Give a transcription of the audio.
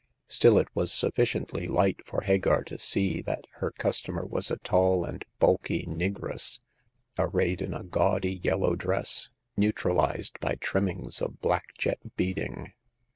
Still, it was sufficiently light for Hagar to see that her customer was a tall and bulky negress, arrayed in a gaudy yellow dress, neutralized by trimmings of black jet beading.